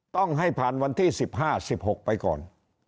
ต้องให้ผ่านวันที่๑๕๑๖ไปก่อน